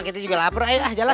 kita juga lapar ayo jalan